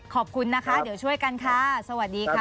ขอบคุณนะคะเดี๋ยวช่วยกันค่ะสวัสดีค่ะ